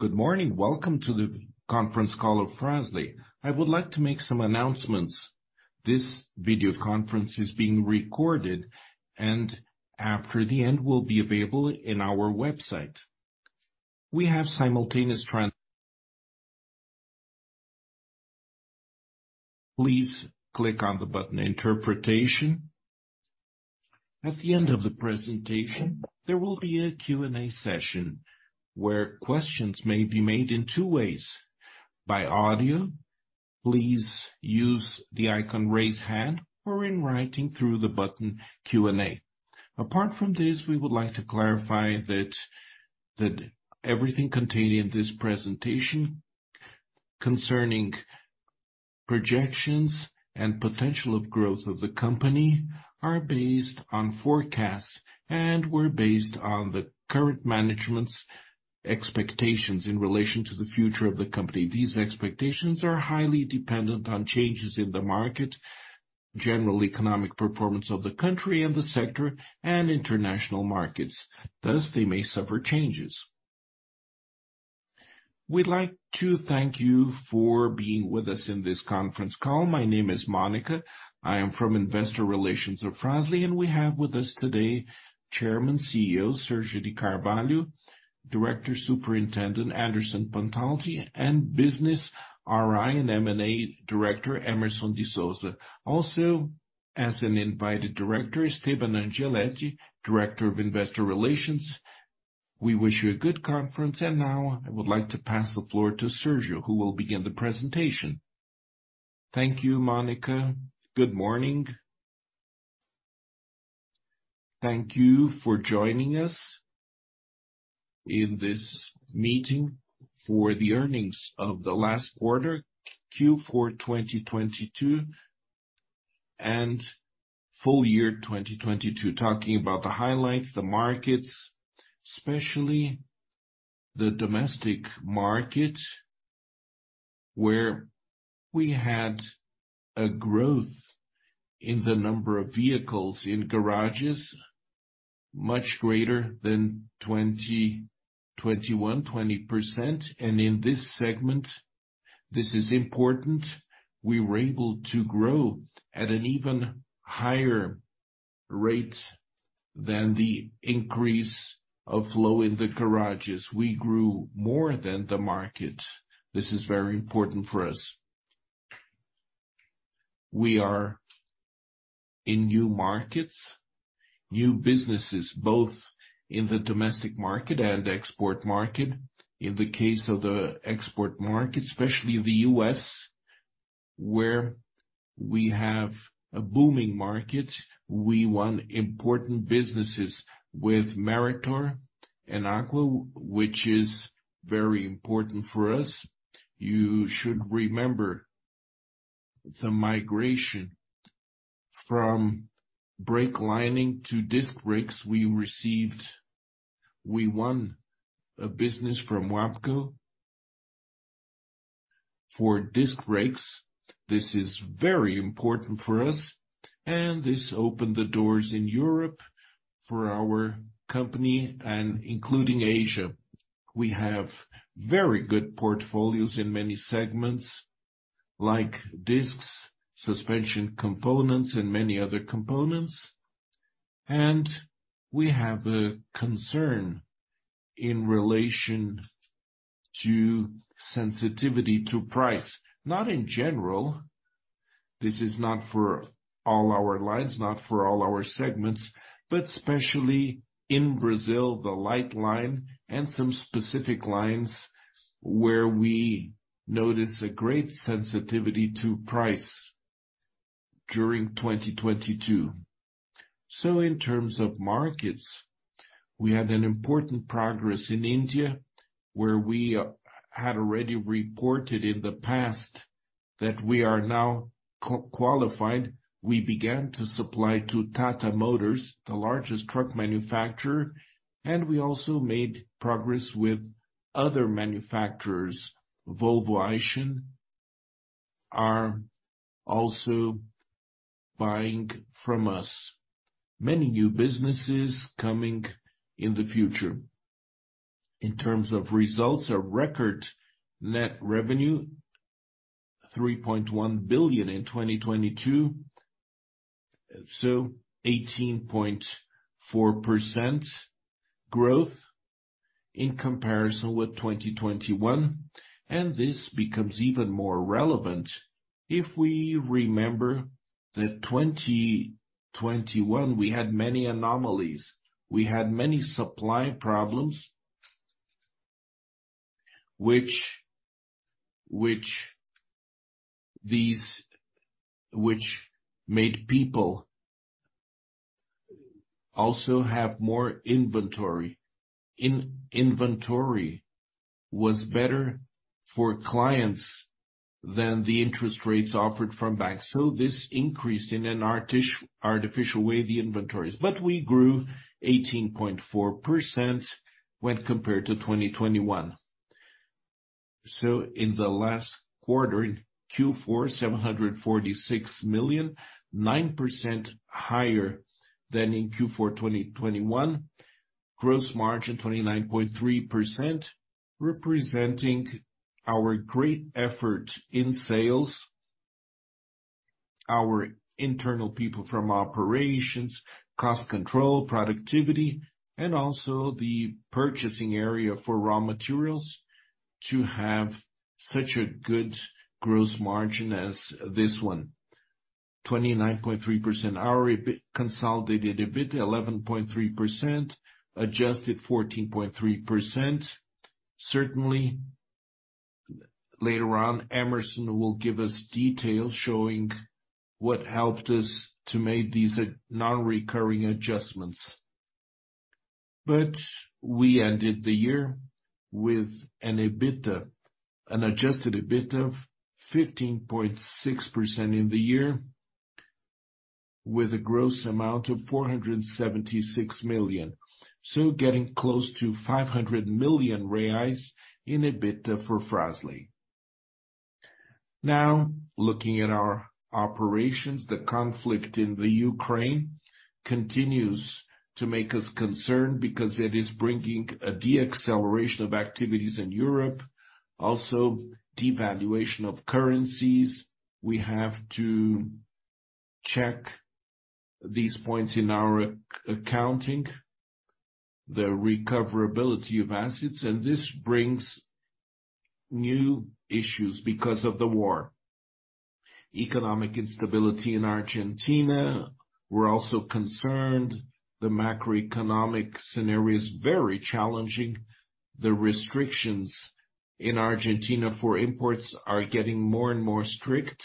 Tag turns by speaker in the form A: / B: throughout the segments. A: Good morning. Welcome to the conference call of Fras-le. I would like to make some announcements. After the end will be available in our website. We have simultaneous. Please click on the button Interpretation. At the end of the presentation, there will be a Q&A session where questions may be made in two ways: by audio, please use the icon Raise Hand, or in writing through the button Q&A. Apart from this, we would like to clarify that everything contained in this presentation concerning projections and potential of growth of the company are based on forecasts and were based on the current management's expectations in relation to the future of the company. These expectations are highly dependent on changes in the market, general economic performance of the country and the sector, and international markets. Thus, they may suffer changes. We'd like to thank you for being with us in this conference call. My name is Mônica. I am from Investor Relations of Fras-le. We have with us today Chairman CEO Sérgio L. Carvalho, Director Superintendent Anderson Pontalti, and Business IR and M&A Director Hemerson Fernando de Souza. As an invited director, Esteban Angeletti, Director of Investor Relations. We wish you a good conference. Now I would like to pass the floor to Sérgio, who will begin the presentation.
B: Thank you, Mônica. Good morning. Thank you for joining us in this meeting for the earnings of the last quarter, Q4 2022, and full year 2022. Talking about the highlights, the markets, especially the domestic market, where we had a growth in the number of vehicles in garages much greater than 2021, 20%. In this segment, this is important, we were able to grow at an even higher rate than the increase of flow in the garages. We grew more than the market. This is very important for us. We are in new markets, new businesses, both in the domestic market and export market. In the case of the export market, especially the U.S., where we have a booming market, we won important businesses with Meritor and Aqua, which is very important for us. You should remember the migration from brake lining to disc brakes. We won a business from WABCO. For disc brakes, this is very important for us, and this opened the doors in Europe for our company and including Asia. We have very good portfolios in many segments like discs, suspension components, and many other components. We have a concern in relation to sensitivity to price. Not in general, this is not for all our lines, not for all our segments, but especially in Brazil, the light line and some specific lines where we notice a great sensitivity to price during 2022. In terms of markets, we had an important progress in India, where we had already reported in the past that we are now qualified. We began to supply to Tata Motors, the largest truck manufacturer, and we also made progress with other manufacturers. Volvo Isuzu are also buying from us. Many new businesses coming in the future. In terms of results, our record net revenue, BRL 3.1 billion in 2022, 18.4% growth in comparison with 2021. This becomes even more relevant if we remember that 2021, we had many anomalies. We had many supply problems which made people also have more inventory. Inventory was better for clients than the interest rates offered from banks. This increased in an artificial way, the inventories. We grew 18.4% when compared to 2021. In the last quarter, in Q4, 746 million, 9% higher than in Q4 2021. Gross margin 29.3%, representing our great effort in sales, our internal people from operations, cost control, productivity, and also the purchasing area for raw materials to have such a good gross margin as this one. 29.3%. Our EBITDA consolidated a bit, 11.3%, adjusted 14.3%. Certainly, later on, Hemerson will give us details showing what helped us to make these non-recurring adjustments. We ended the year with an EBITDA, an Adjusted EBITDA of 15.6% in the year with a gross amount of 476 million. Getting close to 500 million reais in EBITDA for Fras-le. Looking at our operations, the conflict in the Ukraine continues to make us concerned because it is bringing a deacceleration of activities in Europe, also devaluation of currencies. We have to check these points in our accounting, the recoverability of assets, and this brings new issues because of the war. Economic instability in Argentina, we're also concerned. The macroeconomic scenario is very challenging. The restrictions in Argentina for imports are getting more and more strict.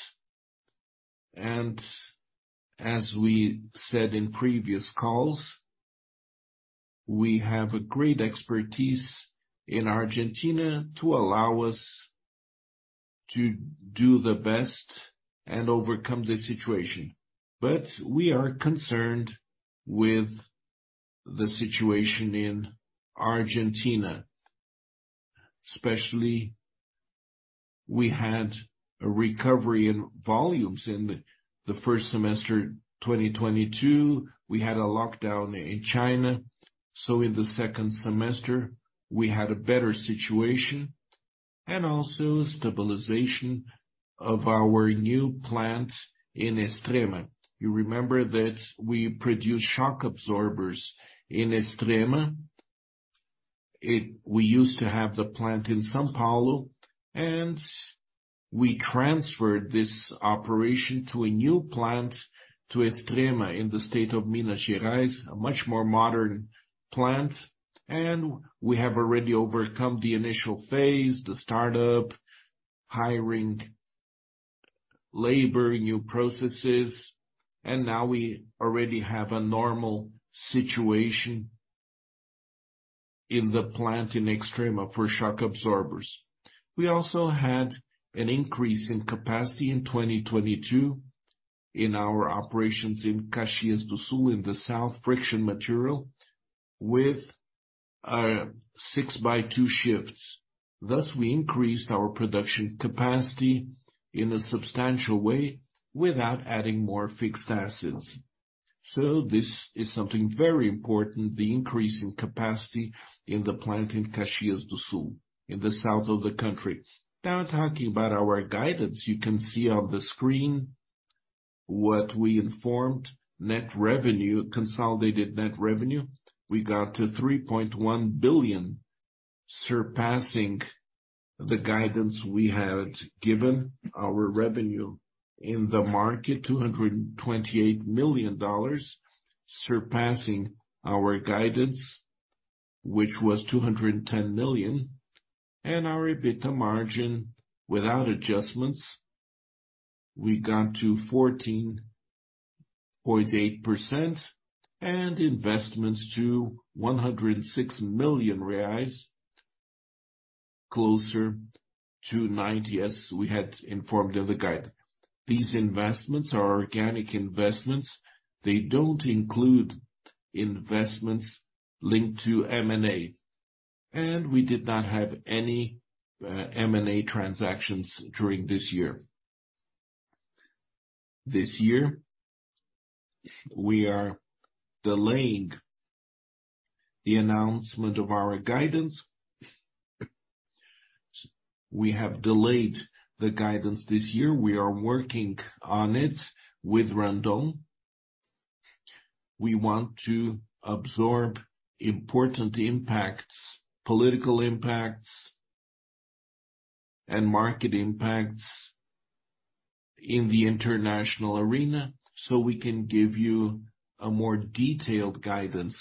B: As we said in previous calls, we have a great expertise in Argentina to allow us to do the best and overcome the situation. We are concerned with the situation in Argentina, especially we had a recovery in volumes in the first semester, 2022. We had a lockdown in China, in the second semester we had a better situation and also stabilization of our new plant in Extrema. You remember that we produce shock absorbers in Extrema. We used to have the plant in São Paulo, we transferred this operation to a new plant to Extrema in the state of Minas Gerais, a much more modern plant. We have already overcome the initial phase, the start-up, hiring, labor, new processes, now we already have a normal situation in the plant in Extrema for shock absorbers. We also had an increase in capacity in 2022 in our operations in Caxias do Sul in the south friction material with 6x2 shifts. Thus, we increased our production capacity in a substantial way without adding more fixed assets. This is something very important, the increase in capacity in the plant in Caxias do Sul in the south of the country. Talking about our guidance, you can see on the screen what we informed net revenue, consolidated net revenue. We got to 3.1 billion, surpassing the guidance we had given our revenue. In the market, $228 million, surpassing our guidance, which was $210 million. Our EBITDA margin without adjustments, we got to 14.8% and investments to 106 million reais, closer to 90 as we had informed in the guide. These investments are organic investments. They don't include investments linked to M&A, and we did not have any M&A transactions during this year. This year, we are delaying the announcement of our guidance. We have delayed the guidance this year. We are working on it with Randon. We want to absorb important impacts, political impacts, and market impacts in the international arena, we can give you a more detailed guidance.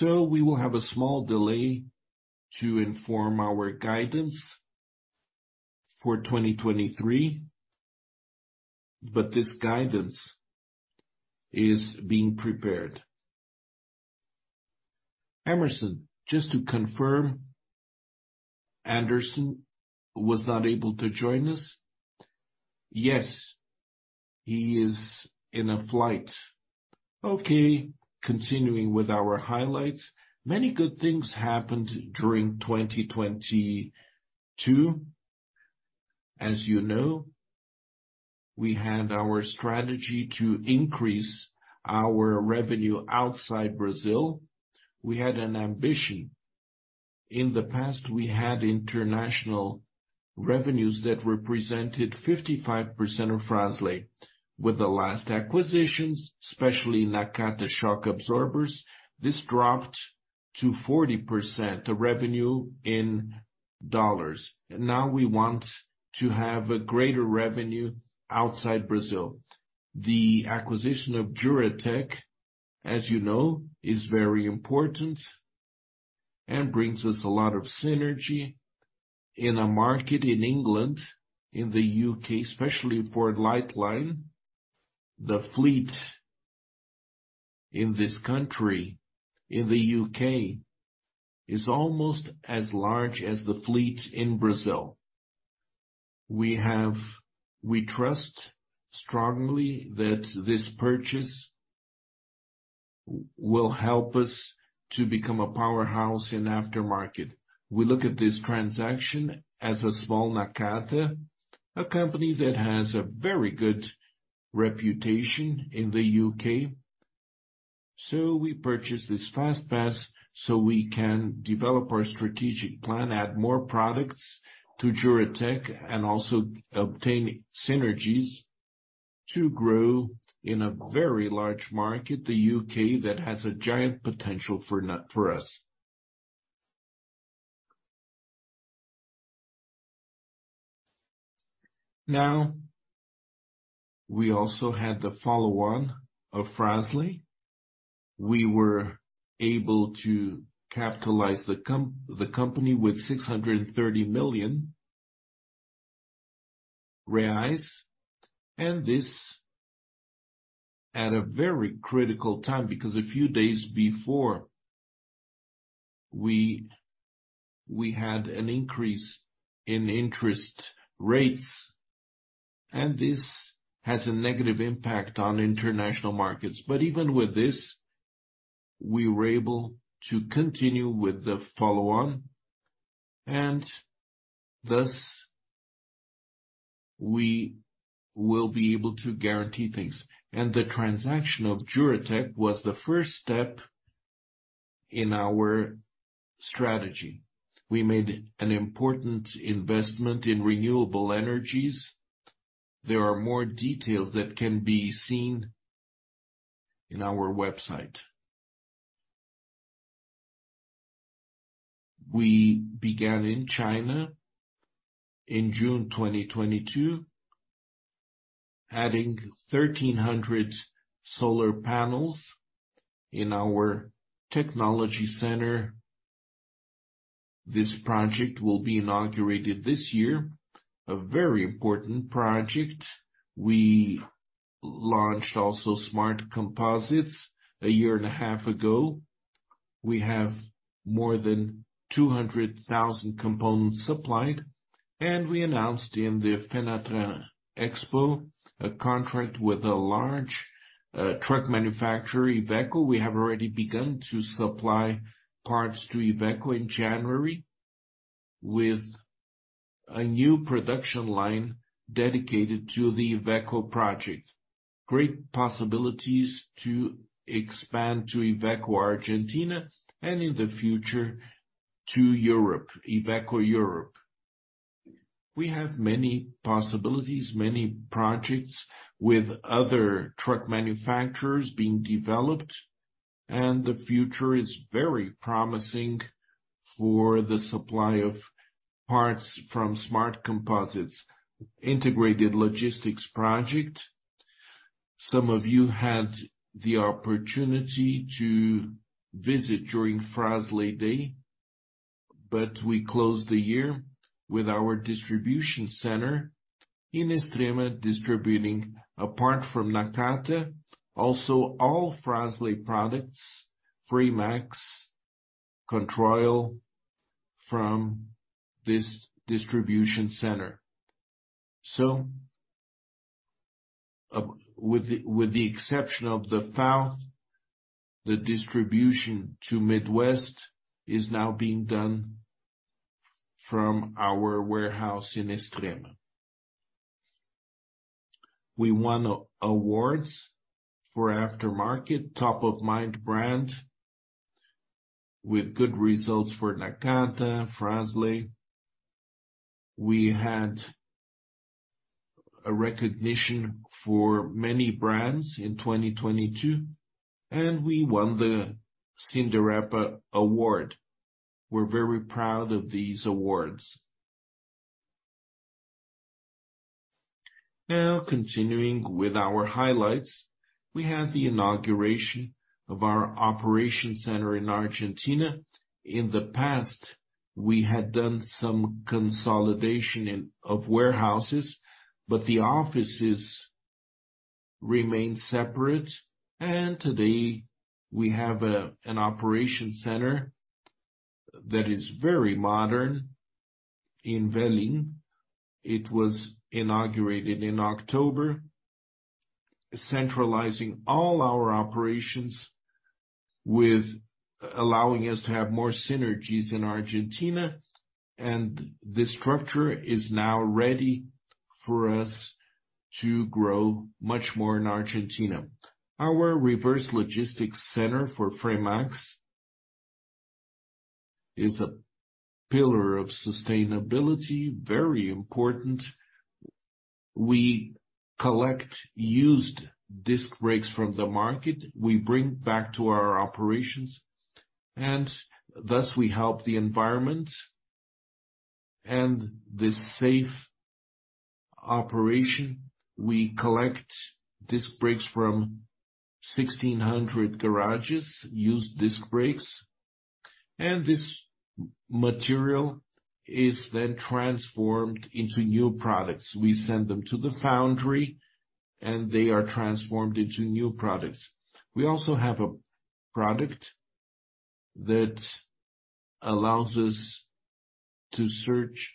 B: We will have a small delay to inform our guidance for 2023, but this guidance is being prepared. Hemerson, just to confirm, Anderson was not able to join us?
C: Yes, he is in a flight.
B: Continuing with our highlights. Many good things happened during 2022. As you know, we had our strategy to increase our revenue outside Brazil. We had an ambition. In the past, we had international revenues that represented 55% of Fras-le. With the last acquisitions, especially Nakata shock absorbers, this dropped to 40% the revenue in dollars. We want to have a greater revenue outside Brazil. The acquisition of Juratek, as you know, is very important and brings us a lot of synergy. In a market in England, in the U.K., especially for Lightline, the fleet in this country, in the U.K., is almost as large as the fleet in Brazil. We trust strongly that this purchase will help us to become a powerhouse in aftermarket. We look at this transaction as a small Nakata, a company that has a very good reputation in the U.K.. We purchased this FastPass so we can develop our strategic plan, add more products to Juratek, and also obtain synergies to grow in a very large market, the U.K., that has a giant potential for us. We also had the follow-on of Fras-le. We were able to capitalize the company with 630 million reais. This at a very critical time, because a few days before, we had an increase in interest rates. This has a negative impact on international markets. Even with this, we were able to continue with the follow-on. Thus we will be able to guarantee things. The transaction of Juratek was the first step in our strategy. We made an important investment in renewable energies. There are more details that can be seen in our website. We began in China in June 2022, adding 1,300 solar panels in our technology center. This project will be inaugurated this year, a very important project. We launched also Smart Composites a year and a half ago. We have more than 200,000 components supplied. We announced in the Fenatran Expo a contract with a large truck manufacturer, Iveco. We have already begun to supply parts to Iveco in January with a new production line dedicated to the Iveco project. Great possibilities to expand to Iveco Argentina and in the future to Europe, Iveco Europe. We have many possibilities, many projects with other truck manufacturers being developed, and the future is very promising for the supply of parts from Smart Composites integrated logistics project. Some of you had the opportunity to visit during Fras-le Day, but we closed the year with our distribution center in Extrema, distributing apart from Nakata, also all Fras-le products, Fremax, Controil, from this distribution center. With the exception of the South, the distribution to Midwest is now being done from our warehouse in Extrema. We won awards for aftermarket, Top of Mind Brand with good results for Nakata, Fras-le. We had a recognition for many brands in 2022, we won the Sindirepa Award. We're very proud of these awards. Continuing with our highlights, we have the inauguration of our operation center in Argentina. In the past, we had done some consolidation of warehouses, but the offices remained separate. Today we have an operation center that is very modern in Valinhos. It was inaugurated in October, centralizing all our operations with allowing us to have more synergies in Argentina, the structure is now ready for us to grow much more in Argentina. Our reverse logistics center for Fremax is a pillar of sustainability, very important. We collect used disc brakes from the market, we bring back to our operations, thus we help the environment and the safe operation. We collect disc brakes from 1,600 garages, used disc brakes, and this material is then transformed into new products. We send them to the foundry, and they are transformed into new products. We also have a product that allows us to search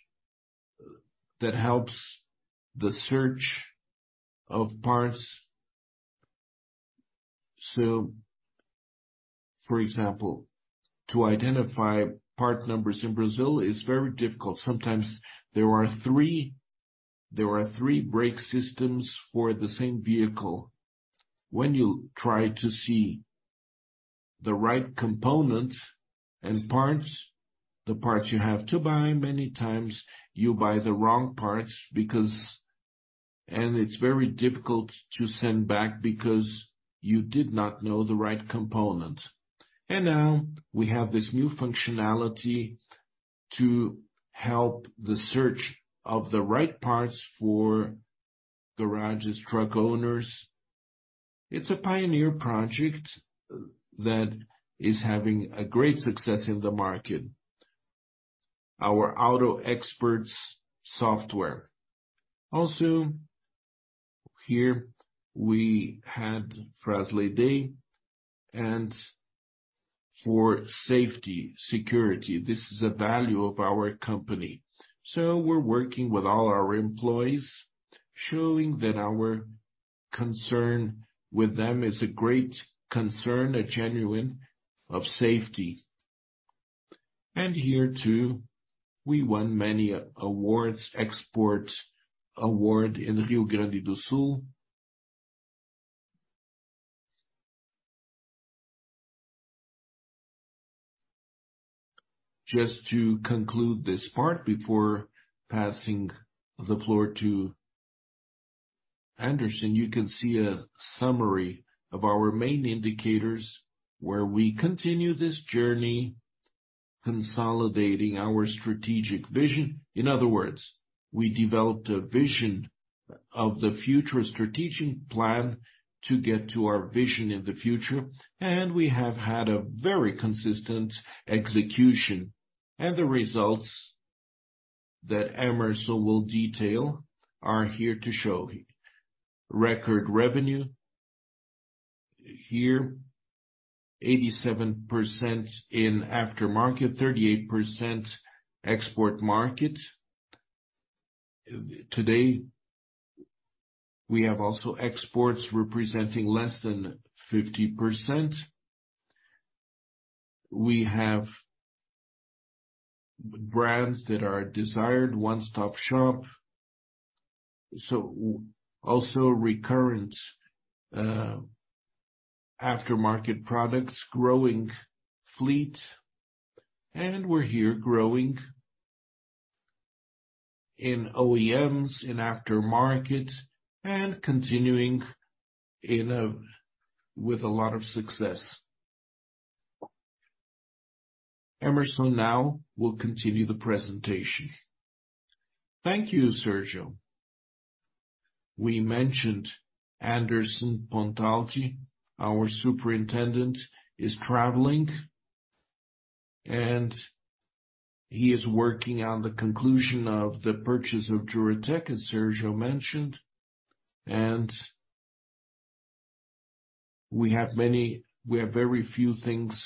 B: that helps the search of parts. For example, to identify part numbers in Brazil is very difficult. Sometimes there are three brake systems for the same vehicle. When you try to see the right component and parts, the parts you have to buy, many times you buy the wrong parts because. It's very difficult to send back because you did not know the right component. Now we have this new functionality to help the search of the right parts for garages truck owners. It's a pioneer project that is having a great success in the market. Our Auto Experts software. Here we had Fras-le Day. For safety, security, this is a value of our company. We're working with all our employees, showing that our concern with them is a great concern, a genuine of safety. Here too, we won many awards, export award in Rio Grande do Sul. Just to conclude this part before passing the floor to Anderson, you can see a summary of our main indicators where we continue this journey, consolidating our strategic vision. In other words, we developed a vision of the future strategic plan to get to our vision in the future, and we have had a very consistent execution. The results that Hemerson will detail are here to show. Record revenue. Here, 87% in aftermarket, 38% export market. Today, we have also exports representing less than 50%. We have brands that are desired, one-stop shop. Also recurrent aftermarket products, growing fleet, and we're here growing in OEMs, in aftermarket, and continuing with a lot of success. Hemerson now will continue the presentation.
C: Thank you, Sérgio. We mentioned Anderson Pontalti, our Superintendent, is traveling, and he is working on the conclusion of the purchase of Juratek, as Sérgio mentioned. We have very few things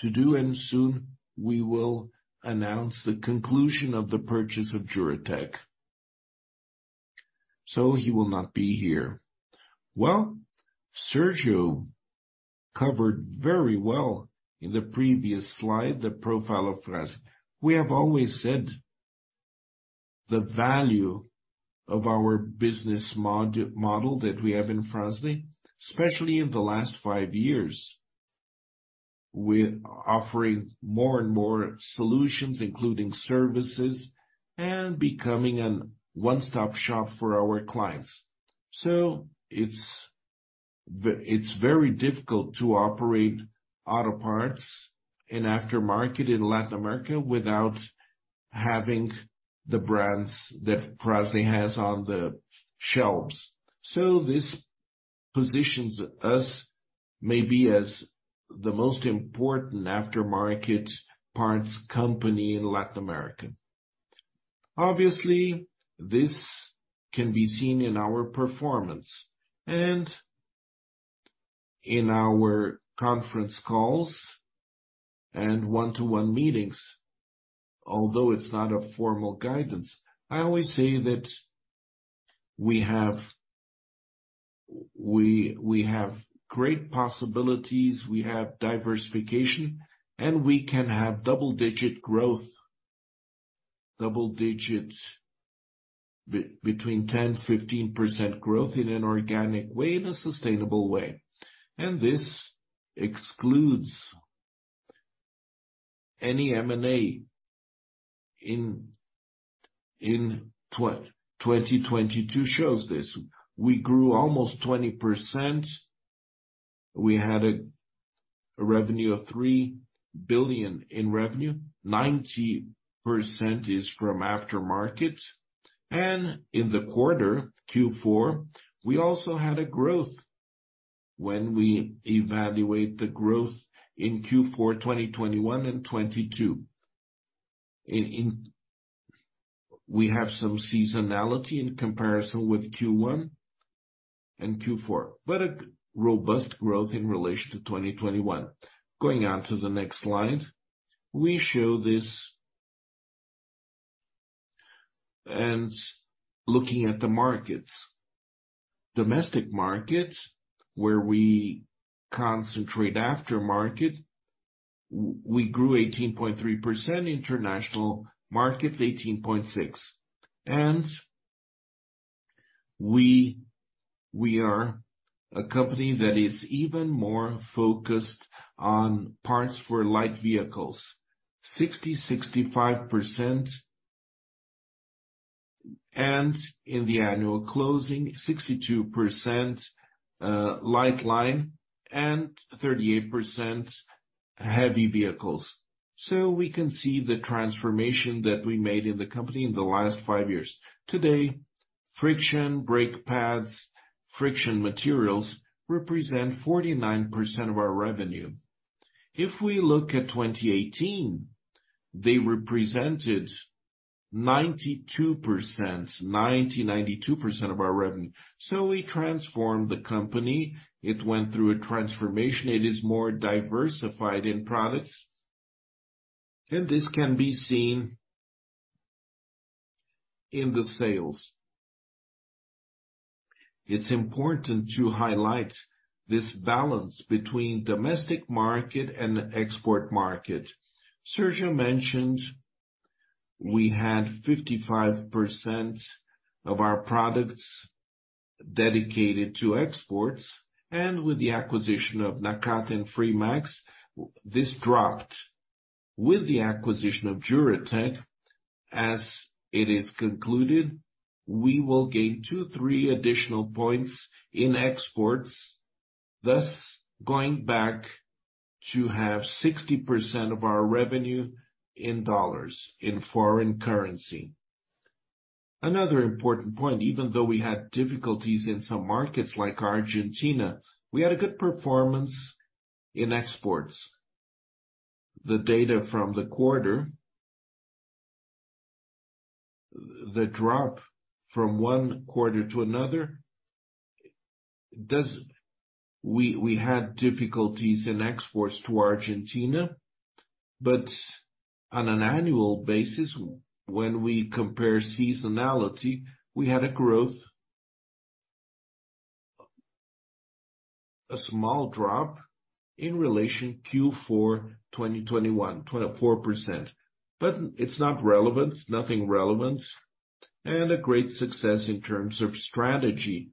C: to do, and soon we will announce the conclusion of the purchase of Juratek. He will not be here. Well, Sérgio covered very well in the previous slide, the profile of Fras-le. We have always said the value of our business model that we have in Fras-le, especially in the last five years, with offering more and more solutions, including services and becoming an one-stop shop for our clients. It's very difficult to operate auto parts in aftermarket in Latin America without having the brands that Fras-le has on the shelves. This positions us maybe as the most important aftermarket parts company in Latin America. Obviously, this can be seen in our performance. In our conference calls and one-to-one meetings, although it's not a formal guidance, I always say that we have great possibilities, we have diversification, and we can have double-digit growth. Double digits between 10%-15% growth in an organic way, in a sustainable way. This excludes any M&A in 2022 shows this. We grew almost 20%. We had a revenue of 3 billion in revenue. 90% is from aftermarket. In the quarter, Q4, we also had a growth when we evaluate the growth in Q4 2021 and 2022. We have some seasonality in comparison with Q1 and Q4. A robust growth in relation to 2021. Going on to the next slide, we show this. Looking at the markets, domestic markets, where we concentrate aftermarket, we grew 18.3%, international markets, 18.6%. We are a company that is even more focused on parts for light vehicles, 60-65%. In the annual closing, 62% light line and 38% heavy vehicles. We can see the transformation that we made in the company in the last five years. Today, friction, brake pads, friction materials represent 49% of our revenue. If we look at 2018, they represented 92% of our revenue. We transformed the company. It went through a transformation. It is more diversified in products, and this can be seen in the sales. It's important to highlight this balance between domestic market and export market. Sérgio mentioned we had 55% of our products dedicated to exports, and with the acquisition of Nakata and Fremax, this dropped. With the acquisition of Juratek, as it is concluded, we will gain two, three additional points in exports, thus going back to have 60% of our revenue in dollars, in foreign currency. Another important point, even though we had difficulties in some markets like Argentina, we had a good performance in exports. The data from the quarter, the drop from one quarter to another, does. We had difficulties in exports to Argentina, but on an annual basis, when we compare seasonality, we had a growth. A small drop in relation Q4 2021, 0.4%. It's not relevant, nothing relevant. A great success in terms of strategy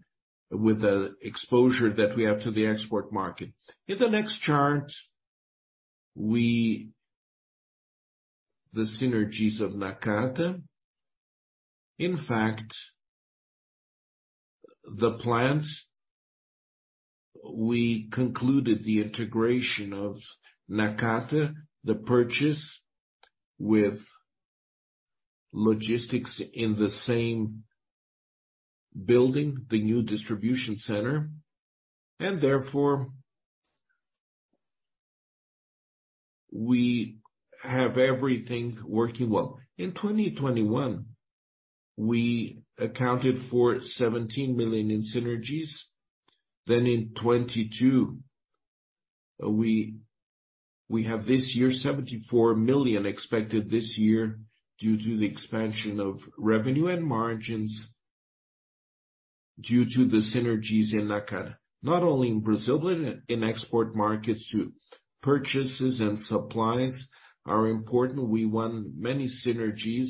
C: with the exposure that we have to the export market. In the next chart, the synergies of Nakata. In fact, we concluded the integration of Nakata, the purchase with logistics in the same building, the new distribution center, and therefore, we have everything working well. In 2021, we accounted for 17 million in synergies. In 2022, we have this year, 74 million expected this year due to the expansion of revenue and margins due to the synergies in Nakata. Not only in Brazil, but in export markets too. Purchases and supplies are important. We won many synergies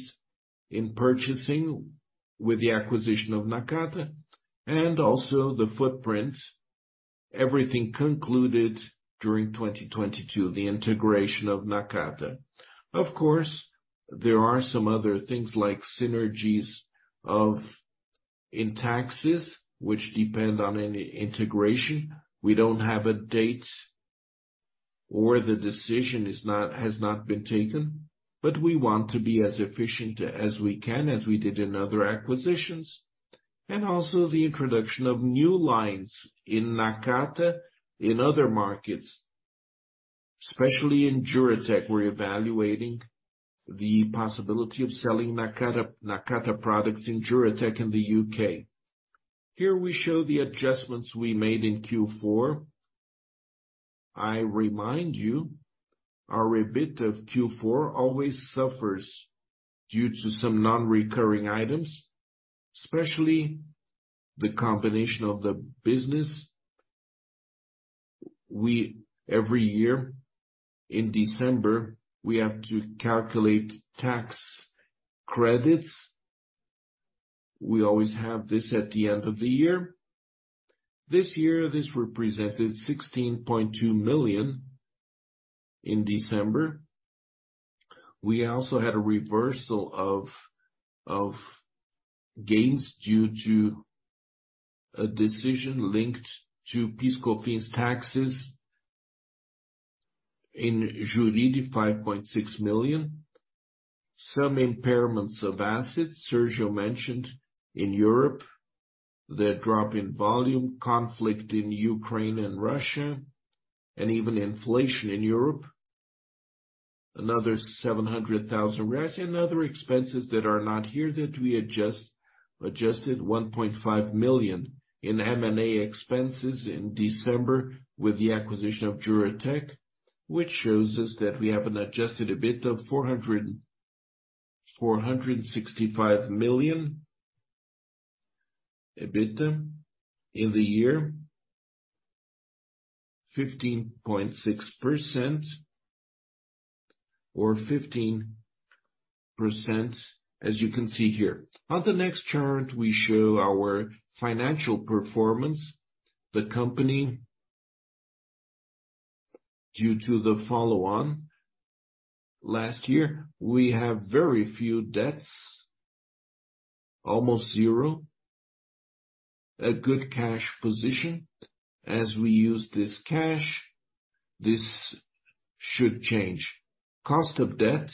C: in purchasing with the acquisition of Nakata and also the footprint. Everything concluded during 2022, the integration of Nakata. Of course, there are some other things like synergies in taxes, which depend on any integration. We don't have a date or the decision has not been taken, but we want to be as efficient as we can, as we did in other acquisitions. Also the introduction of new lines in Nakata, in other markets. Especially in Juratek, we're evaluating the possibility of selling Nakata products in Juratek in the U.K.. Here we show the adjustments we made in Q4. I remind you, our EBITDA Q4 always suffers due to some non-recurring items, especially the combination of the business. Every year in December, we have to calculate tax credits. We always have this at the end of the year. This year, this represented 16.2 million in December. We also had a reversal of gains due to a decision linked to PIS/Cofins taxes in Jurid, 5.6 million. Some impairments of assets Sérgio mentioned in Europe, the drop in volume, conflict in Ukraine and Russia, and even inflation in Europe. Another 700,000 and other expenses that are not here that we adjusted 1.5 million in M&A expenses in December with the acquisition of Juratek, which shows us that we have an Adjusted EBITDA of 465 million EBITDA in the year. 15.6% or 15%, as you can see here. On the next chart, we show our financial performance. The company, due to the follow-on last year, we have very few debts, almost zero. A good cash position as we use this cash, this should change. Cost of debt,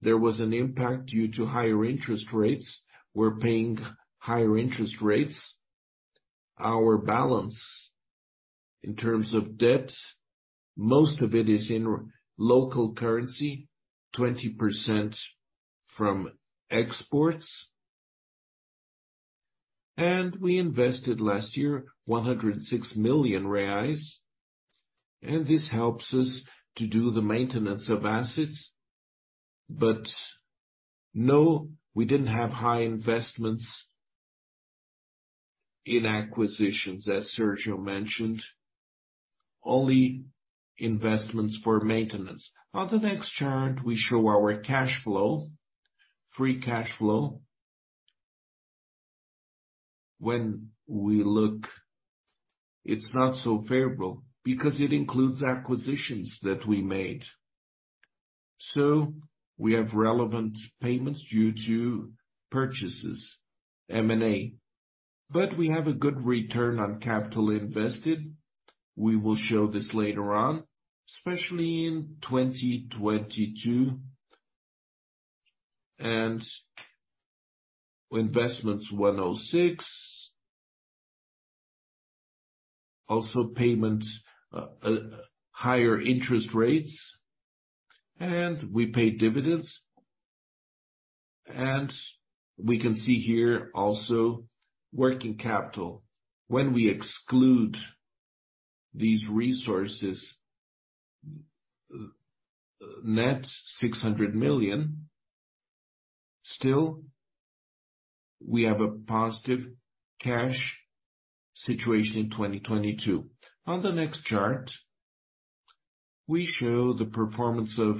C: there was an impact due to higher interest rates. We're paying higher interest rates. Our balance in terms of debt, most of it is in local currency, 20% from exports. We invested last year 106 million reais, and this helps us to do the maintenance of assets. No, we didn't have high investments in acquisitions, as Sérgio mentioned, only investments for maintenance. On the next chart, we show our cash flow. Free cash flow. When we look, it's not so favorable because it includes acquisitions that we made. We have relevant payments due to purchases, M&A. We have a good return on capital invested. We will show this later on, especially in 2022. Investments BRL 106. Also payments, higher interest rates, and we paid dividends. We can see here also working capital. We exclude these resources, net BRL 600 million, still we have a positive cash situation in 2022. On the next chart, we show the performance of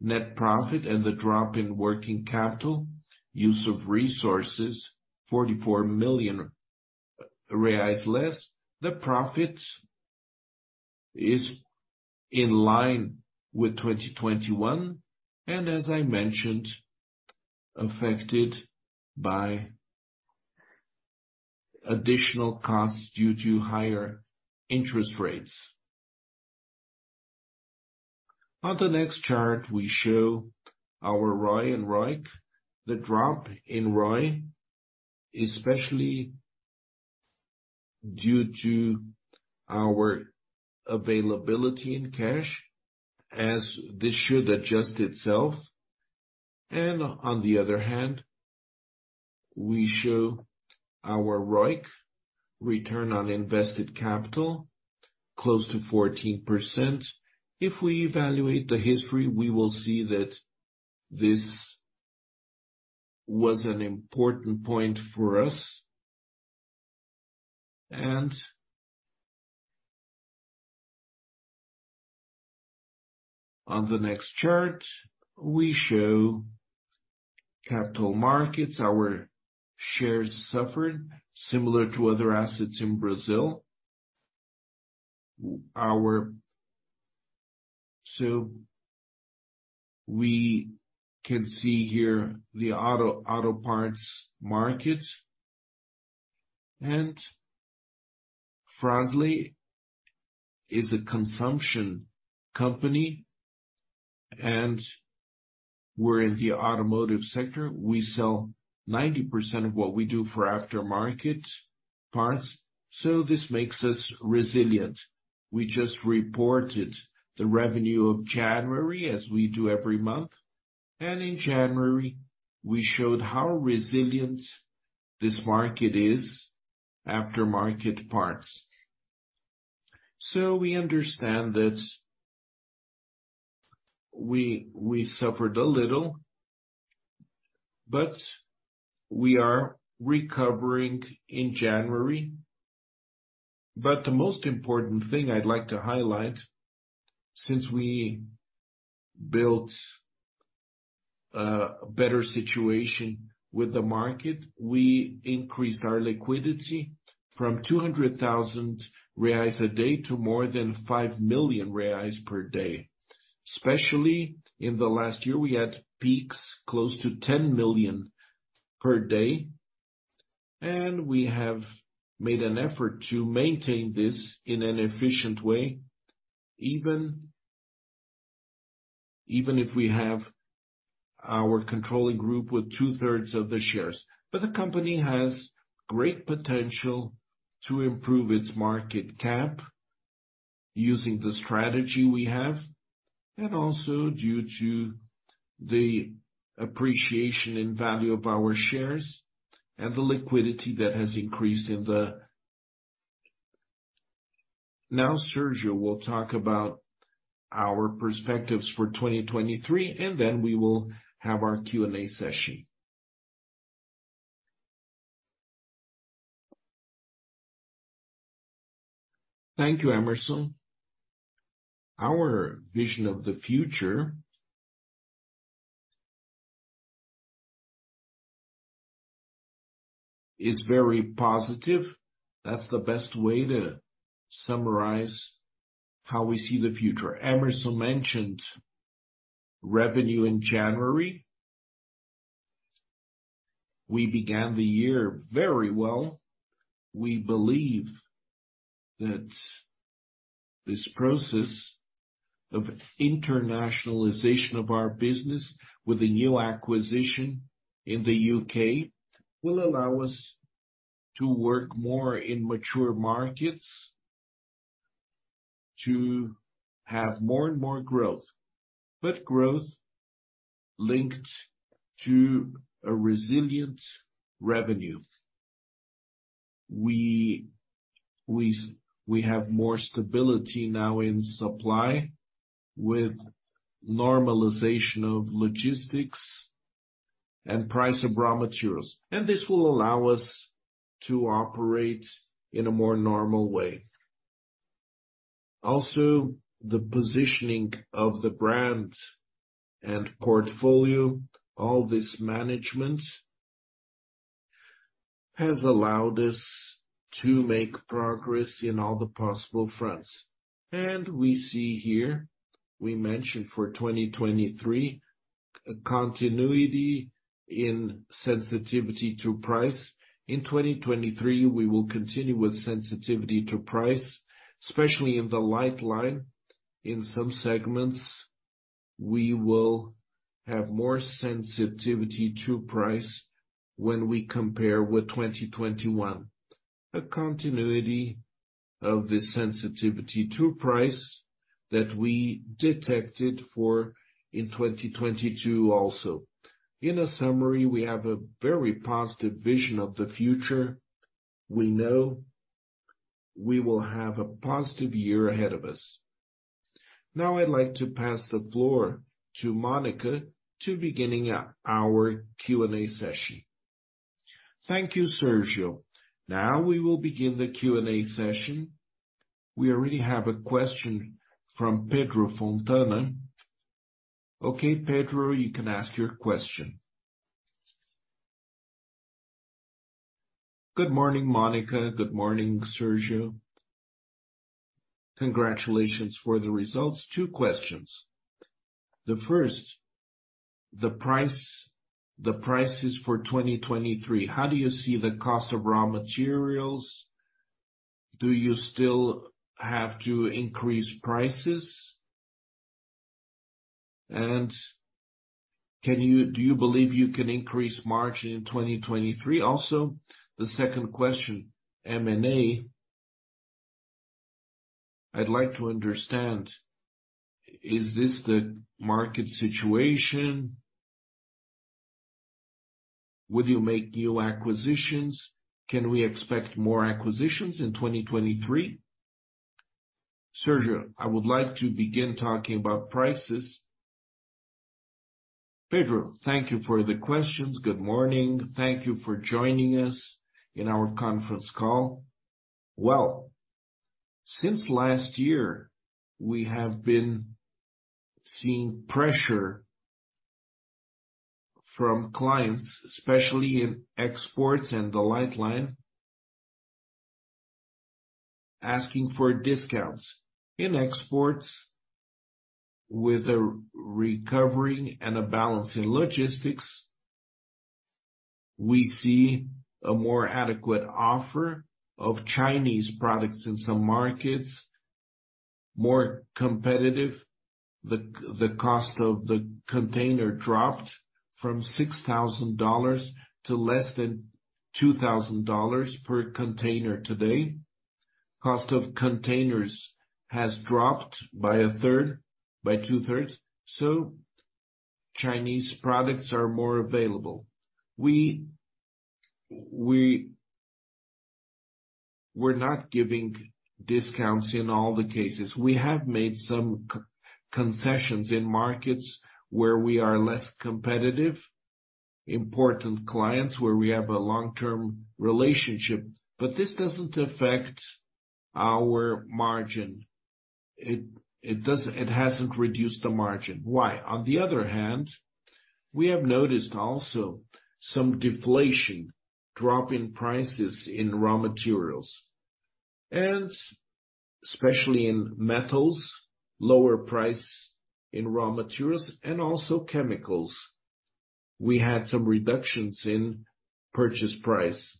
C: net profit and the drop in working capital, use of resources 44 million reais less. The profit is in line with 2021, as I mentioned, affected by additional costs due to higher interest rates. On the next chart, we show our ROE and ROIC. The drop in ROE, especially due to our availability in cash as this should adjust itself. On the other hand, we show our ROIC, return on invested capital close to 14%. If we evaluate the history, we will see that this was an important point for us. On the next chart, we show capital markets. Our shares suffered similar to other assets in Brazil. We can see here the auto parts market. Fras-le is a consumption company. We're in the automotive sector. We sell 90% of what we do for aftermarket parts, so this makes us resilient. We just reported the revenue of January as we do every month. In January, we showed how resilient this market is, aftermarket parts. We understand that we suffered a little, but we are recovering in January. The most important thing I'd like to highlight, since we built a better situation with the market, we increased our liquidity from 200,000 reais a day to more than 5 million reais per day. Especially in the last year, we had peaks close to 10 million per day. We have made an effort to maintain this in an efficient way, even if we have our controlling group with two-thirds of the shares. The company has great potential to improve its market cap using the strategy we have, also due to the appreciation in value of our shares and the liquidity that has increased. Sérgio will talk about our perspectives for 2023. We will have our Q&A session.
B: Thank you, Hemerson. Our vision of the future is very positive. That's the best way to summarize how we see the future. Hemerson mentioned revenue in January. We began the year very well. We believe that this process of internationalization of our business with a new acquisition in the U.K. will allow us to work more in mature markets to have more and more growth, but growth linked to a resilient revenue. We have more stability now in supply with normalization of logistics and price of raw materials, and this will allow us to operate in a more normal way. Also, the positioning of the brand and portfolio, all this management, has allowed us to make progress in all the possible fronts. We see here, we mentioned for 2023, a continuity in sensitivity to price. In 2023, we will continue with sensitivity to price, especially in the light line. In some segments, we will have more sensitivity to price when we compare with 2021. A continuity of the sensitivity to price that we detected for in 2022 also. In a summary, we have a very positive vision of the future. We know we will have a positive year ahead of us. Now I'd like to pass the floor to Mônica to beginning our Q&A session.
A: Thank you, Sérgio. Now we will begin the Q&A session. We already have a question from Pedro Fontana. Okay, Pedro, you can ask your question.
D: Good morning, Mônica. Good morning, Sérgio. Congratulations for the results. Two questions. The first, the prices for 2023. How do you see the cost of raw materials? Do you still have to increase prices? Do you believe you can increase margin in 2023 also? The second question, M&A. I'd like to understand, is this the market situation? Would you make new acquisitions? Can we expect more acquisitions in 2023?
C: Sérgio, I would like to begin talking about prices. Pedro, thank you for the questions. Good morning. Thank you for joining us in our conference call. Since last year, we have been seeing pressure from clients, especially in exports and the light line, asking for discounts in exports with a recovering and a balance in logistics. We see a more adequate offer of Chinese products in some markets, more competitive. The cost of the container dropped from $6,000 to less than $2,000 per container today. Cost of containers has dropped by a third, by two-thirds. Chinese products are more available. We're not giving discounts in all the cases. We have made some co-concessions in markets where we are less competitive, important clients, where we have a long-term relationship. This doesn't affect our margin. It, it hasn't reduced the margin. Why? On the other hand, we have noticed also some deflation, drop in prices in raw materials, and especially in metals, lower price in raw materials and also chemicals. We had some reductions in purchase price.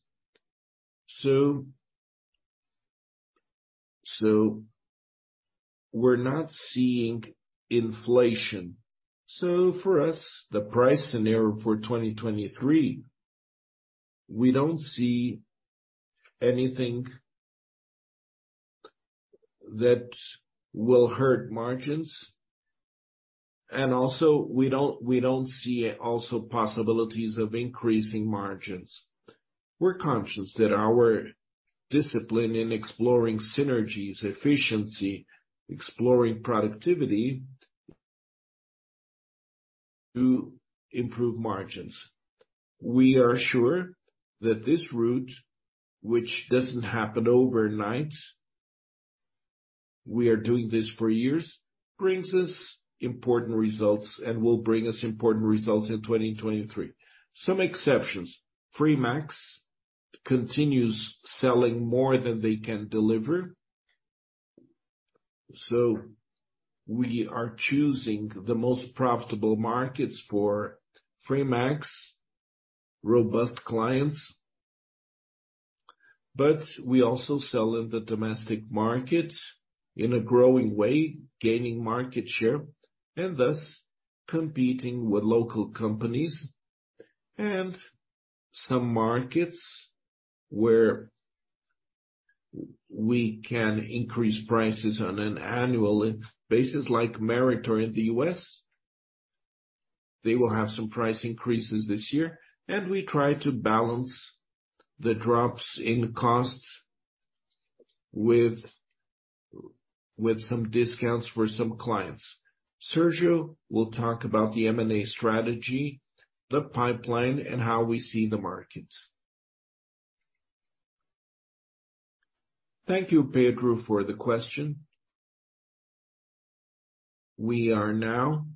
C: We're not seeing inflation. For us, the price scenario for 2023, we don't see anything that will hurt margins, and also we don't see also possibilities of increasing margins. We're conscious that our discipline in exploring synergies, efficiency, exploring productivity to improve margins. We are sure that this route, which doesn't happen overnight, we are doing this for years, brings us important results and will bring us important results in 2023. Some exceptions. Fremax continues selling more than they can deliver, we are choosing the most profitable markets for Fremax, robust clients. We also sell in the domestic market in a growing way, gaining market share and thus competing with local companies and some markets where we can increase prices on an annual basis, like Meritor in the U.S.. They will have some price increases this year. We try to balance the drops in costs with some discounts for some clients. Sérgio will talk about the M&A strategy, the pipeline, and how we see the market.
B: Thank you, Pedro, for the question. We are now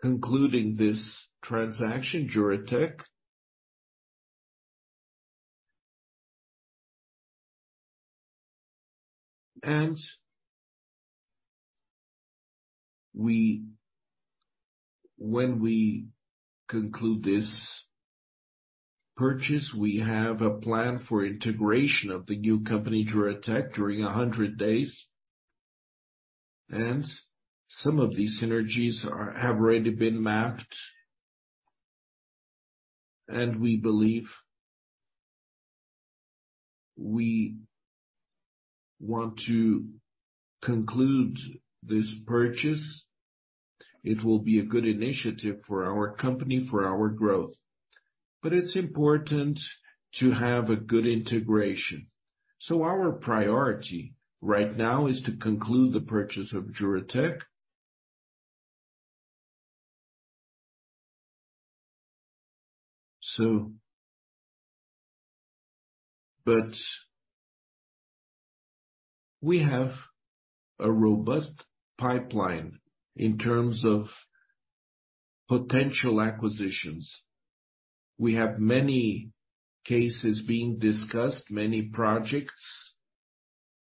B: concluding this transaction, Juratek. When we conclude this purchase, we have a plan for integration of the new company, Juratek, during 100 days, and some of these synergies have already been mapped. We believe we want to conclude this purchase. It will be a good initiative for our company, for our growth. It's important to have a good integration. Our priority right now is to conclude the purchase of Juratek. We have a robust pipeline in terms of potential acquisitions. We have many cases being discussed, many projects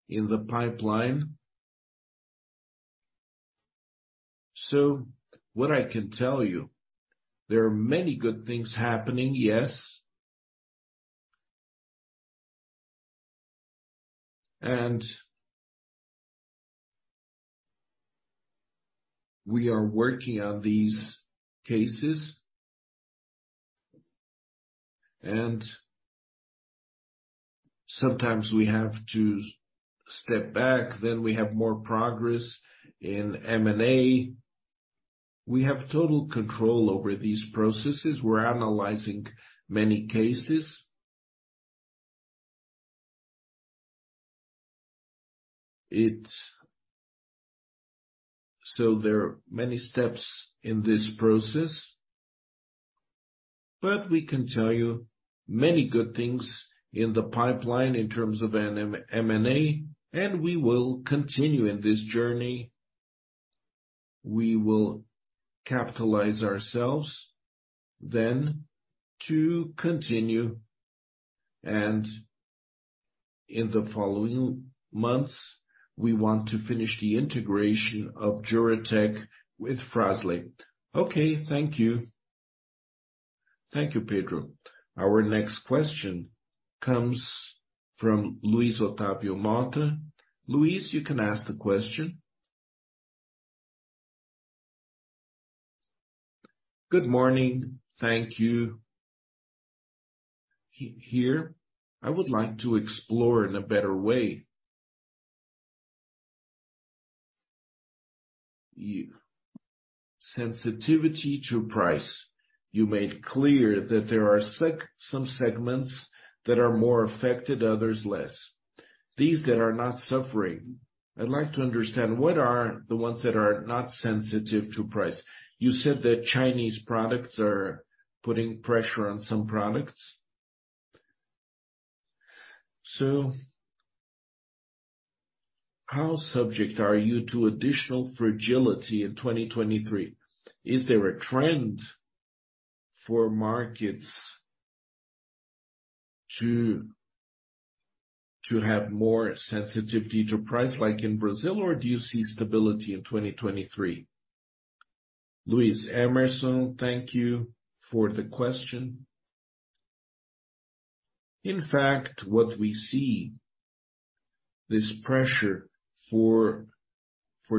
B: in the pipeline. What I can tell you, there are many good things happening, yes. We are working on these cases. Sometimes we have to step back, then we have more progress in M&A. We have total control over these processes. We're analyzing many cases. There are many steps in this process, but we can tell you many good things in the pipeline in terms of an M&A, and we will continue in this journey. We will capitalize ourselves then to continue. In the following months, we want to finish the integration of Juratek with Fras-le.
D: Okay, thank you.
B: Thank you, Pedro.
A: Our next question comes from Luiz Otavio Campos. Luiz, you can ask the question.
E: Good morning. Thank you. Here, I would like to explore in a better way sensitivity to price. You made clear that there are some segments that are more affected, others less. These that are not suffering, I'd like to understand, what are the ones that are not sensitive to price? You said that Chinese products are putting pressure on some products. How subject are you to additional fragility in 2023? Is there a trend for markets to have more sensitivity to price like in Brazil or do you see stability in 2023?
C: Luiz, Hemerson, thank you for the question. In fact, what we see, this pressure for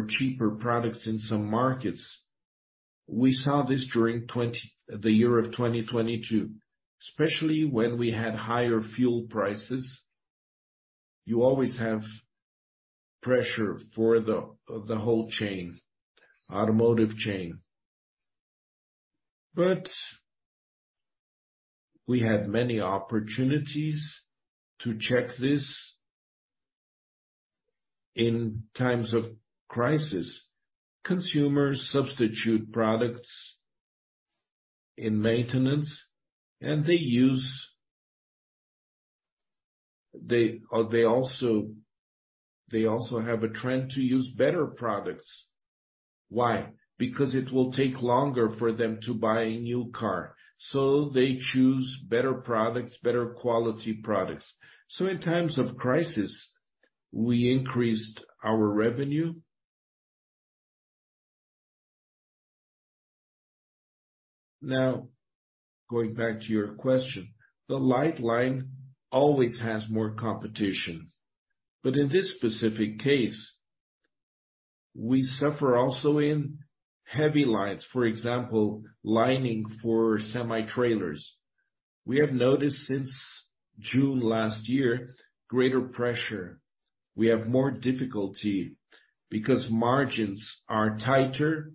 C: cheaper products in some markets, we saw this during the year of 2022, especially when we had higher fuel prices. You always have pressure for the whole chain, automotive chain. We had many opportunities to check this. In times of crisis, consumers substitute products in maintenance, and they also have a trend to use better products. Why? Because it will take longer for them to buy a new car, so they choose better products, better quality products. In times of crisis, we increased our revenue. Now, going back to your question, the light line always has more competition, but in this specific case, we suffer also in heavy lines. For example, lining for semi-trailers. We have noticed since June last year, greater pressure. We have more difficulty because margins are tighter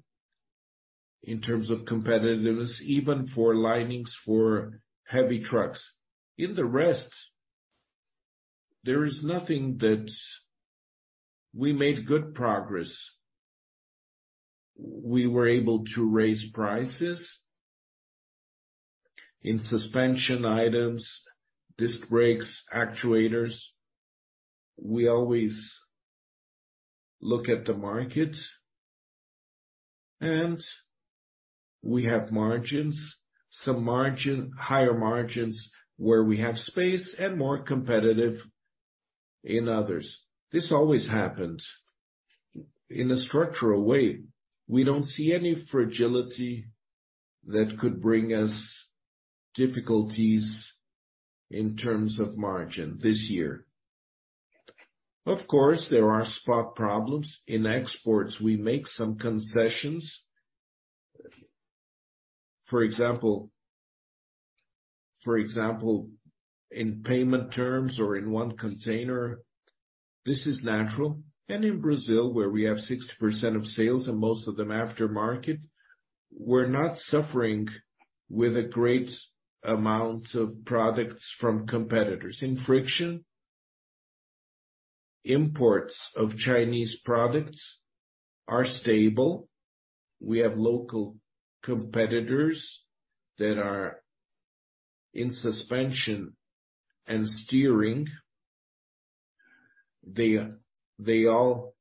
C: in terms of competitiveness, even for linings for heavy trucks. In the rest, there is nothing that. We made good progress. We were able to raise prices in suspension items, disc brakes, actuators. We always look at the market. We have margins. Higher margins where we have space and more competitive in others. This always happens. In a structural way, we don't see any fragility that could bring us difficulties in terms of margin this year. Of course, there are spot problems. In exports, we make some concessions. For example, in payment terms or in one container, this is natural. In Brazil, where we have 60% of sales and most of them aftermarket, we're not suffering with a great amount of products from competitors. In friction, imports of Chinese products are stable. We have local competitors that are in suspension and steering. They all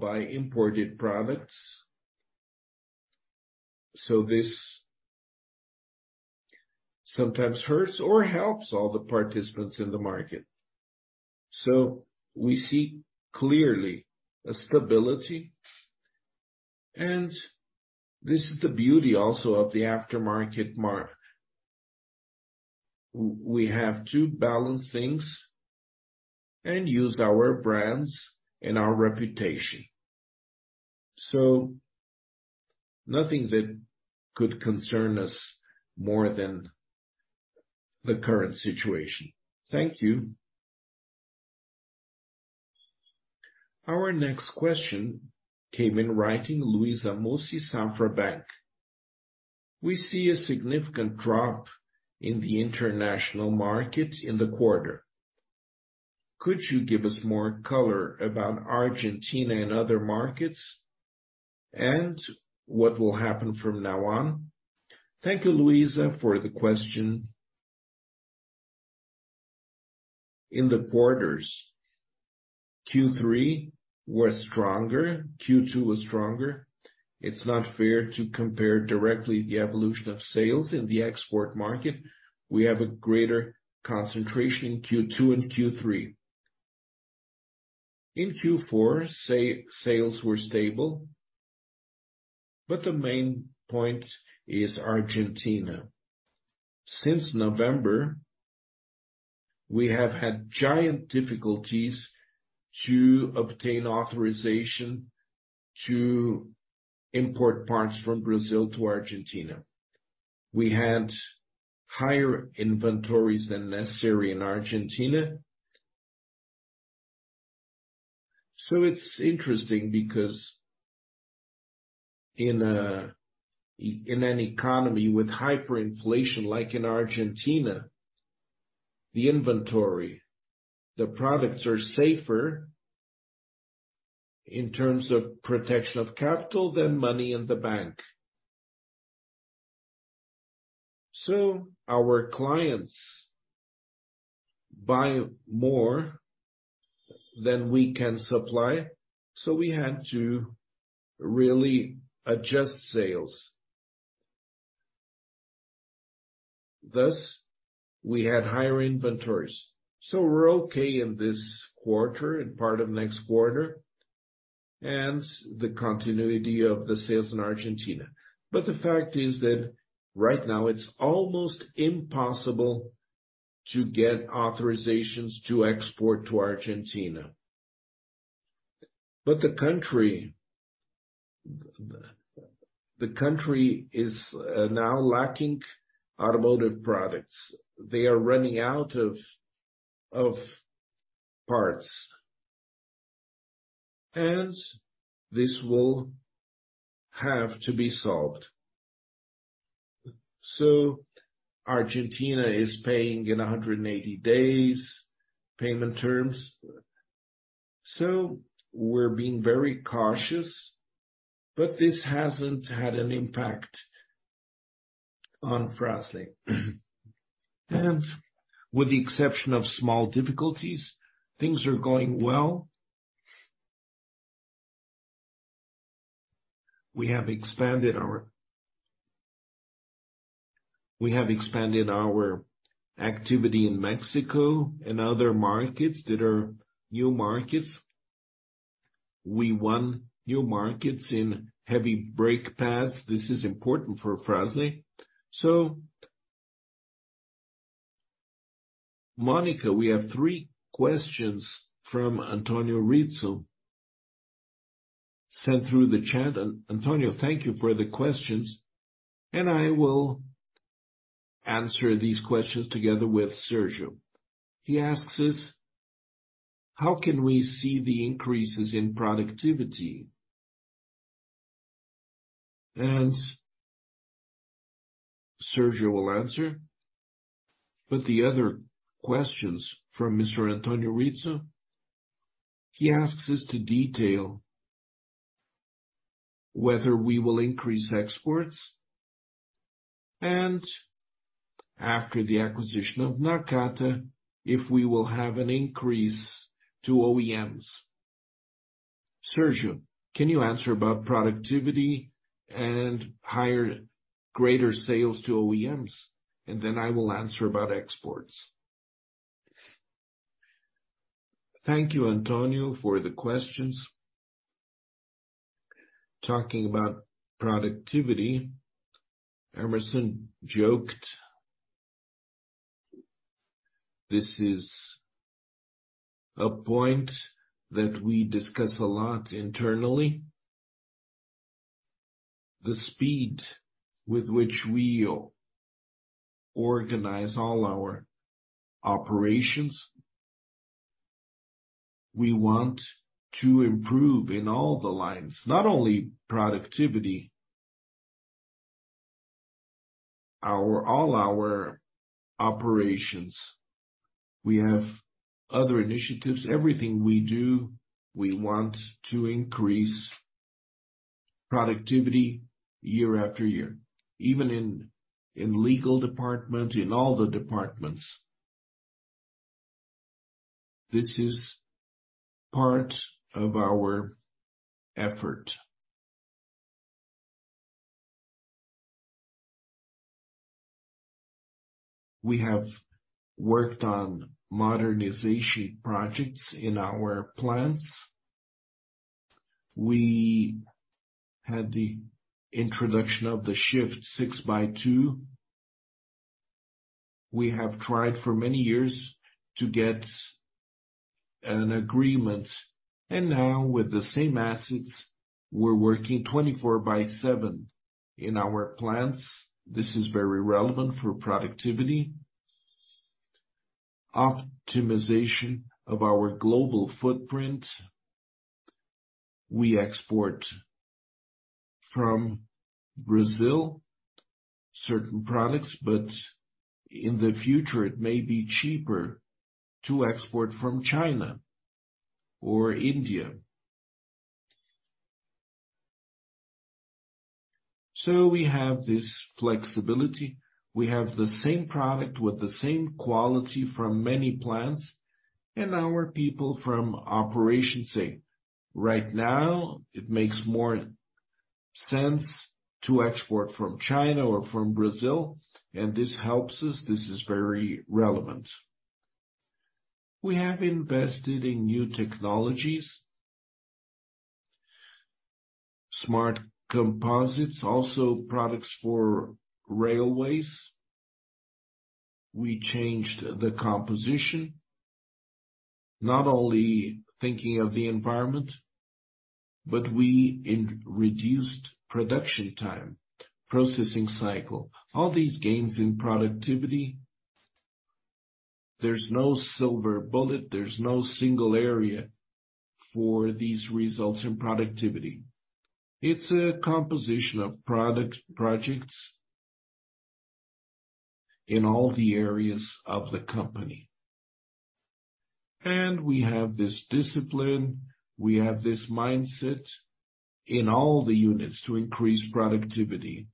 C: buy imported products. This sometimes hurts or helps all the participants in the market. We see clearly a stability, and this is the beauty also of the aftermarket. We have to balance things and use our brands and our reputation. Nothing that could concern us more than the current situation.
A: Thank you. Our next question came in writing, Luiza Mussi, Santander Bank.
F: We see a significant drop in the international market in the quarter. Could you give us more color about Argentina and other markets, and what will happen from now on?
B: Thank you, Luiza, for the question. Q3 was stronger, Q2 was stronger. It's not fair to compare directly the evolution of sales in the export market. We have a greater concentration in Q2 and Q3. In Q4, sales were stable, but the main point is Argentina. Since November, we have had giant difficulties to obtain authorization to import parts from Brazil to Argentina. We had higher inventories than necessary in Argentina. It's interesting because in an economy with hyperinflation like in Argentina, the inventory, the products are safer in terms of protection of capital than money in the bank. Our clients buy more than we can supply, we had to really adjust sales. Thus, we had higher inventories. We're okay in this quarter and part of next quarter, and the continuity of the sales in Argentina. The fact is that right now it's almost impossible to get authorizations to export to Argentina. The country is now lacking automotive products. They are running out of parts, and this will have to be solved. Argentina is paying in 180 days payment terms, we're being very cautious, but this hasn't had an impact on Fras-le. With the exception of small difficulties, things are going well. We have expanded our activity in Mexico and other markets that are new markets. We won new markets in heavy brake pads. This is important for Fras-le.
C: Mônica, we have three questions from Antonio Rizzo sent through the chat. Antonio, thank you for the questions, and I will answer these questions together with Sérgio. He asks us, "How can we see the increases in productivity?" Sérgio will answer. The other questions from Mr. Antonio Rizzo, he asks us to detail whether we will increase exports and after the acquisition of Nakata, if we will have an increase to OEMs. Sérgio, can you answer about productivity and higher, greater sales to OEMs? I will answer about exports.
B: Thank you, Antonio, for the questions. Talking about productivity, Hemerson joked, this is a point that we discuss a lot internally. The speed with which we organize all our operations, we want to improve in all the lines. Not only productivity, all our operations. We have other initiatives. Everything we do, we want to increase productivity year after year, even in legal department, in all the departments. This is part of our effort. We have worked on modernization projects in our plants. We had the introduction of the shift 6x2. Now with the same assets, we're working 24/7 in our plants. This is very relevant for productivity. Optimization of our global footprint. In the future it may be cheaper to export from China or India. So we have this flexibility. We have the same product with the same quality from many plants. Our people from operations say, "Right now, it makes more sense to export from China or from Brazil. This helps us. This is very relevant." We have invested in new technologies. Smart Composites, also products for railways. We changed the composition, not only thinking of the environment. We reduced production time, processing cycle. All these gains in productivity, there's no silver bullet, there's no single area for these results in productivity. It's a composition of product projects in all the areas of the company. We have this discipline, we have this mindset in all the units to increase productivity.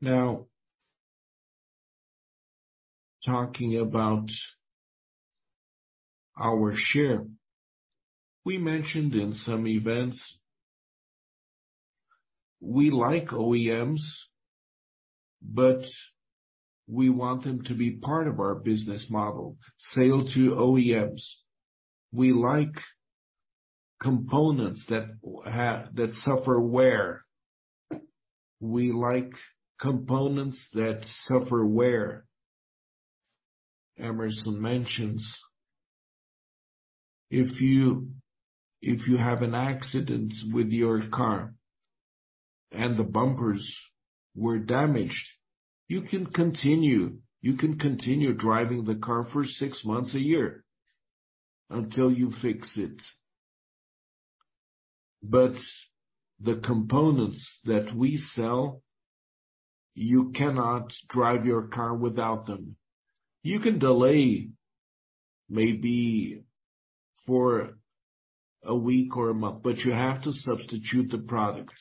B: Now, talking about our share. We mentioned in some events, we like OEMs. We want them to be part of our business model, sale to OEMs. We like components that suffer wear. We like components that suffer wear. Hemerson mentions, if you have an accident with your car and the bumpers were damaged, you can continue driving the car for six months, a year until you fix it. The components that we sell, you cannot drive your car without them. You can delay maybe for a week or a month, but you have to substitute the products.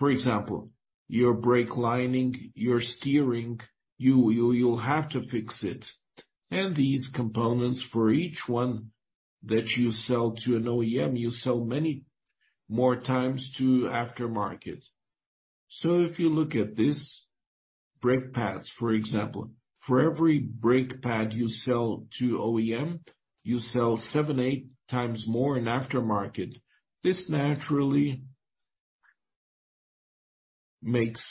B: For example, your brake lining, your steering, you'll have to fix it. These components for each one that you sell to an OEM, you sell many more times to aftermarket. If you look at this, brake pads, for example, for every brake pad you sell to OEM, you sell seven, eight times more in aftermarket. This naturally makes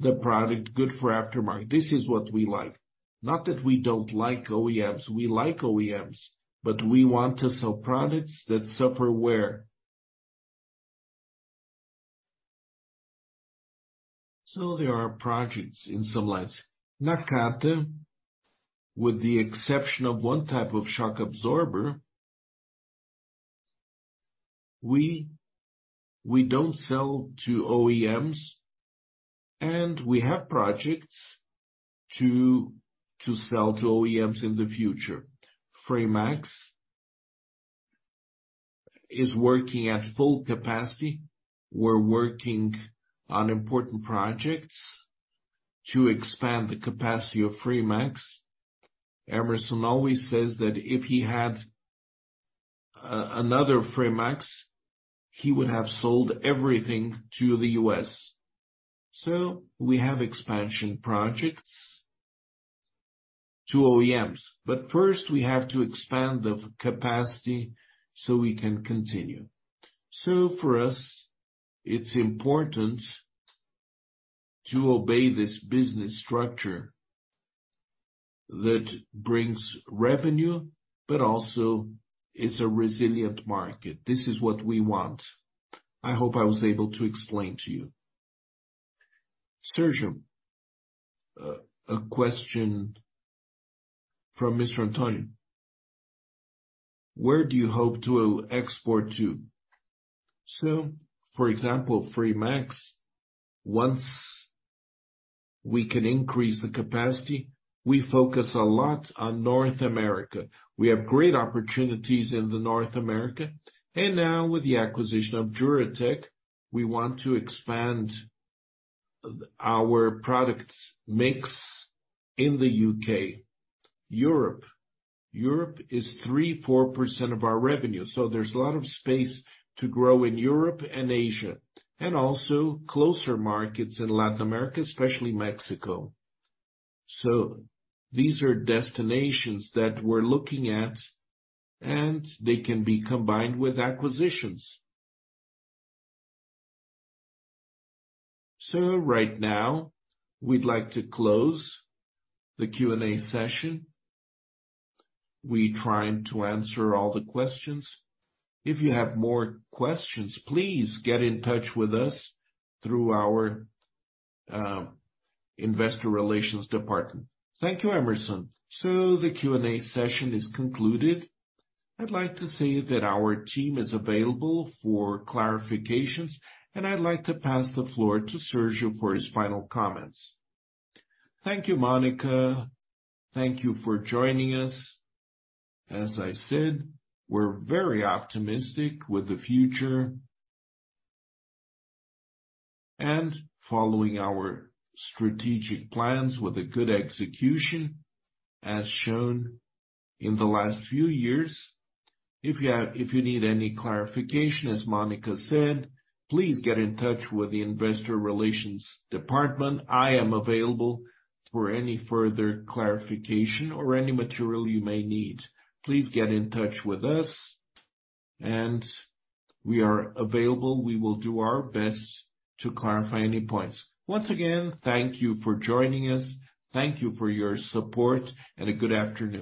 B: the product good for aftermarket. This is what we like. Not that we don't like OEMs, we like OEMs, but we want to sell products that suffer wear. There are projects in some lights. Nakata, with the exception of one type of shock absorber, we don't sell to OEMs, and we have projects to sell to OEMs in the future. Fremax is working at full capacity. We're working on important projects to expand the capacity of Fremax. Emerson always says that if he had another Fremax, he would have sold everything to the U.S. We have expansion projects to OEMs, but first we have to expand the capacity so we can continue. For us, it's important to obey this business structure that brings revenue, but also is a resilient market. This is what we want. I hope I was able to explain to you.
A: Sérgio, a question from Mr. Antonio Where do you hope to export to?
C: For example, Fremax, once we can increase the capacity, we focus a lot on North America. We have great opportunities in North America, and now with the acquisition of Juratek, we want to expand our products mix in the UK. Europe. Europe is 3%-4% of our revenue, there's a lot of space to grow in Europe and Asia, and also closer markets in Latin America, especially Mexico. These are destinations that we're looking at, and they can be combined with acquisitions. Right now, we'd like to close the Q&A session. We tried to answer all the questions. If you have more questions, please get in touch with us through our investor relations department.
A: Thank you, Hemerson. The Q&A session is concluded. I'd like to say that our team is available for clarifications, and I'd like to pass the floor to Sérgio for his final comments.
B: Thank you, Mônica. Thank you for joining us. As I said, we're very optimistic with the future and following our strategic plans with a good execution as shown in the last few years. If you need any clarification, as Mônica said, please get in touch with the investor relations department. I am available for any further clarification or any material you may need. Please get in touch with us, and we are available. We will do our best to clarify any points. Once again, thank you for joining us. Thank you for your support, and a good afternoon.